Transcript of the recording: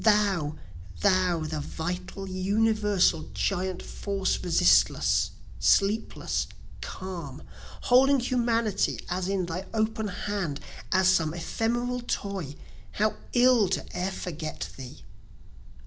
Thou! thou! the vital, universal, giant force resistless, sleepless, calm, Holding Humanity as in thy open hand, as some ephemeral toy, How ill to e'er forget thee!